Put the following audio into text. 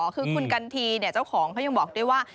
คือคุณกันทีเจ้าของเขายังบอกด้วยว่า